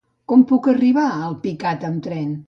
Com puc arribar a Alpicat amb tren?